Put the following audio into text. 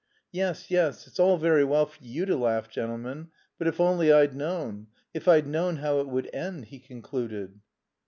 "Yes, yes, it's all very well for you to laugh, gentlemen, but if only I'd known, if I'd known how it would end!" he concluded.